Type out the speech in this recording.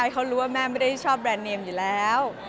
ทุกคนก็รู้ว่าแม่ไม่ได้ชอบแบรนด์เนมอยู่แล้ว